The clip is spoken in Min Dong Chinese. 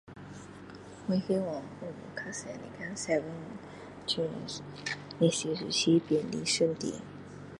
我喜欢比较多的像24小时便利商店